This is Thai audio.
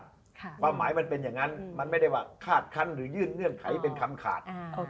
ความหมายมันเป็นอย่างนั้นมันไม่ได้ว่าคาดคันหรือยื่นเงื่อนไขเป็นคำขาด